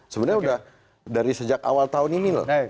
sebenarnya sudah dari sejak awal tahun ini loh